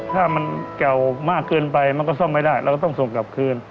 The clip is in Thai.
ถ้ามันเก่ามากเกินไปมันก็ซ่อมไม่ได้เราก็ต้องส่งกลับคืน